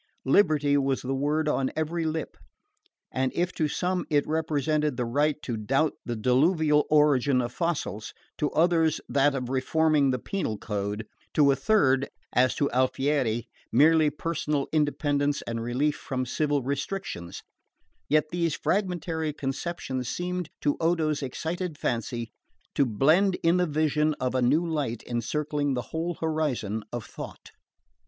Liberty was the word on every lip, and if to some it represented the right to doubt the Diluvial origin of fossils, to others that of reforming the penal code, to a third (as to Alfieri) merely personal independence and relief from civil restrictions; yet these fragmentary conceptions seemed, to Odo's excited fancy, to blend in the vision of a New Light encircling the whole horizon of thought.